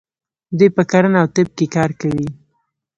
دوی په کرنه او طب کې کار کوي.